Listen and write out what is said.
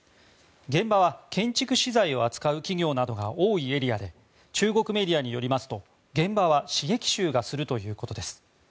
現場は建築資材を扱う企業などが多いエリアで中国メディアによりますと現場は刺激臭がするということです。